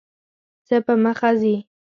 ځه په مخه دي ښه !